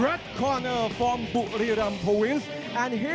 สวัสดีครับทายุรัฐมวยไทยไฟตเตอร์